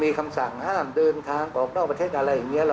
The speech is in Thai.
มีคำสั่งห้ามเดินทางออกนอกประเทศอะไรอย่างนี้